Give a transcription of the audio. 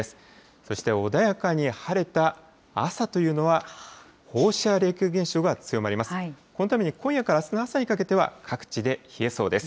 そして穏やかに晴れた朝というのは、放射冷却現象が強まります。